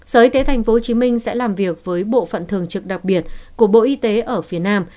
sở y tế tp hcm sẽ làm việc với bộ phận thường trực đặc biệt của bộ y tế ở phía nam